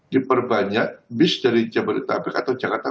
diperbanyak bis dari jabodetabek atau jakarta